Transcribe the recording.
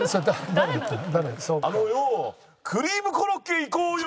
あのよクリームコロッケいこうよ！